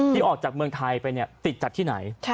ที่ออกจากเมืองไทยไปติดจากที่ไหน